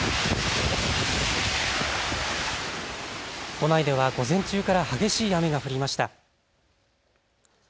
都内では午前中から激しい雨が降りました。